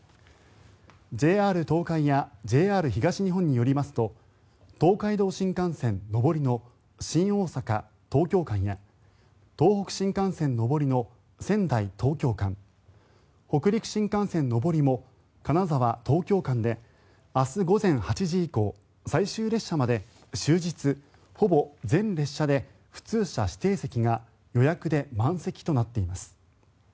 ＪＲ東海やＪＲ東日本によりますと東海道新幹線上りの新大阪東京間や東北新幹線上りの仙台東京間北陸新幹線上りも金沢東京間で明日午前８時以降、最終列車まで終日、ほぼ全列車で普通車指定席が予約で満席となっています。